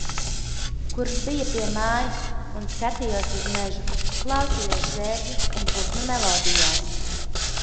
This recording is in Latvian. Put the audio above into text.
Kurš bija pie mājas un skatījos uz mežu, klausījos dzērvju un putnu melodijās.